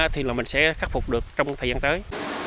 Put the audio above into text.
thì là mình sẽ khắc phục được trong thời gian tới